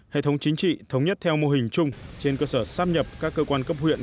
hệ thống chính trị thống nhất theo mô hình chung trên cơ sở sắp nhập các cơ quan cấp huyện